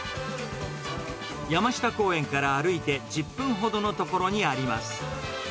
山下公園から歩いて１０分ほどの所にあります。